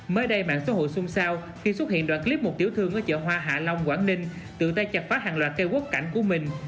mới đây mạng xã hội xung sao khi xuất hiện đoạn clip một tiểu thương ở chợ hoa hạ long quảng ninh tựa tay chặt phá hàng loạt cây quốc cảnh của mình